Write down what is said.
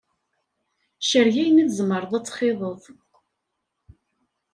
Cerreg ayen i tzemreḍ ad t-txiḍeḍ.